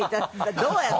どうやって？